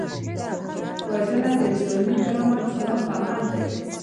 وژنه د انساني کرامت خلاف کار دی